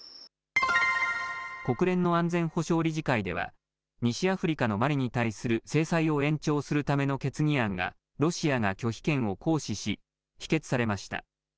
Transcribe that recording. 国連の安全保障理事会では西アフリカのマリに対する制裁を延長するための決議案がロシアが拒否権を行使し否決されました。